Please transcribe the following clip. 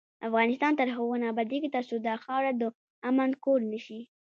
افغانستان تر هغو نه ابادیږي، ترڅو دا خاوره د امن کور نشي.